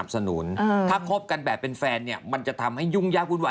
อันนี้ความเห็นส่วนตัวคุณแม่นะคะ